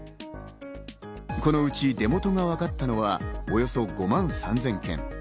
このうちでも出元が分かったのがおよそ５万３０００件。